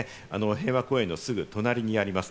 平和公園のすぐ隣にあります。